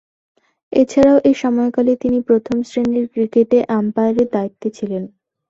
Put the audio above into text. এছাড়াও, এ সময়কালে তিনি প্রথম-শ্রেণীর ক্রিকেটে আম্পায়ারের দায়িত্বে ছিলেন।